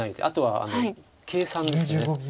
あとは計算です。